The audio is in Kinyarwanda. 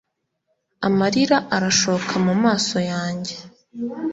Amarira arashoka mu maso yanjye